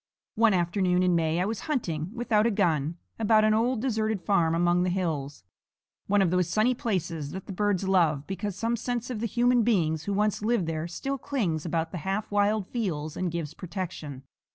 One afternoon in May I was hunting, without a gun, about an old deserted farm among the hills one of those sunny places that the birds love, because some sense of the human beings who once lived there still clings about the half wild fields and gives protection.